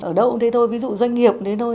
ở đâu cũng thế thôi ví dụ doanh nghiệp đấy thôi